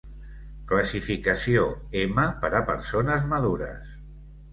Classificació M per a persones madures.